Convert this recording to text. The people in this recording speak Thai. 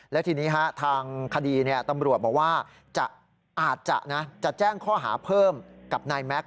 และทีนี้ทางคดีตำรวจบอกว่าอาจจะแจ้งข้อหาเพิ่มกับนายแม็กซ